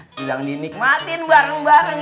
sedang dinikmati bareng bareng